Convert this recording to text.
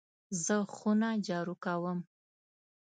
زه خونه جارو کوم .